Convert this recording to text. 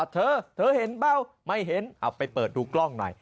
เธอเธอเห็นเปล่าไม่เห็นเอาไปเปิดดูกล้องหน่อย